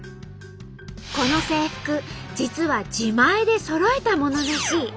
この制服実は自前でそろえたものらしい。